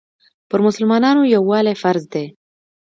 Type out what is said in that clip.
پر مسلمانانو یووالی فرض دی.